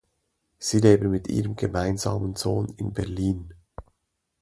Sie leben mit ihrem gemeinsamen Sohn in Berlin.